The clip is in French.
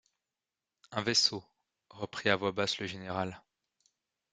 Un vaisseau, reprit à voix basse le général.